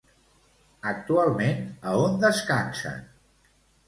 Actualment, a on descansen?